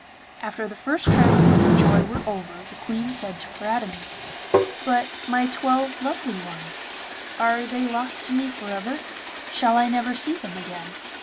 After the first transports of joy were over the Queen said to Paridamie: 'But my twelve lovely ones, are they lost to me for ever? Shall I never see them again?